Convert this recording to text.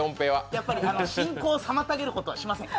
やっぱり進行を妨げることはしません。